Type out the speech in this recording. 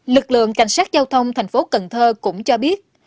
lực lượng cảnh sát giao thông thành phố cần thơ cũng cho biết